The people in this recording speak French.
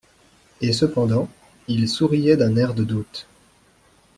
Et cependant, il souriait d'un air de doute.